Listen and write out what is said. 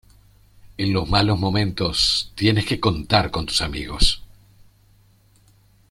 En los malos momentos tienes que contar con tus amigos.